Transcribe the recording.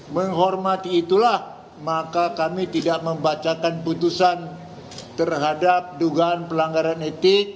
menghormati itulah maka kami tidak membacakan putusan terhadap dugaan pelanggaran etik